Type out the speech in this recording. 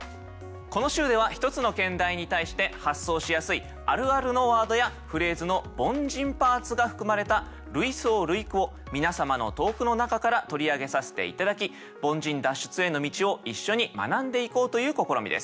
この週では１つの兼題に対して発想しやすいあるあるのワードやフレーズの「凡人パーツ」が含まれた類想類句を皆様の投句の中から取り上げさせて頂き凡人脱出への道を一緒に学んでいこうという試みです。